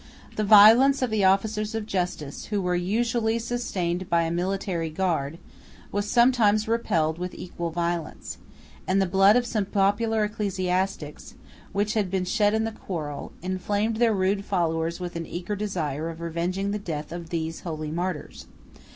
The violence of the officers of justice, who were usually sustained by a military guard, was sometimes repelled with equal violence; and the blood of some popular ecclesiastics, which had been shed in the quarrel, inflamed their rude followers with an eager desire of revenging the death of these holy martyrs.